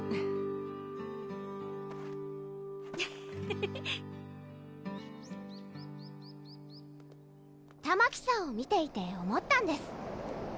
フフフフッたまきさんを見ていて思ったんです